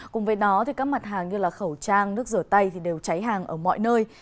cùng với đó các mặt hàng như khẩu trang nước rửa tay thì đều cháy hàng ở mọi nơi